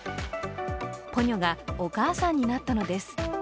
ポニョがお母さんになったのです。